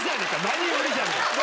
何よりじゃねえか！